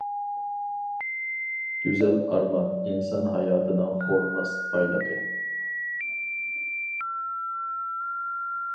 گۈزەل ئارمان ئىنسان ھاياتىنىڭ خورىماس بايلىقى.